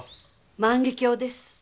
「万華鏡」です。